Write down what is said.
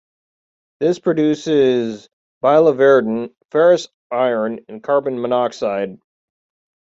This produces biliverdin, ferrous iron, and carbon monoxide.